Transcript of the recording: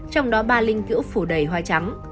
trong đó ba linh cữu phủ đầy hoa trắng